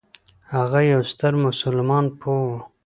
هغه یو ستر مسلمان پوه و.